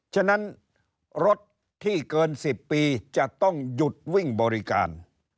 ฉะนั้นรถที่เกิน๑๐ปีจะต้องหยุดวิ่งบริการ